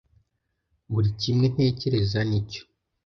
buri kimwe ntekereza nicyo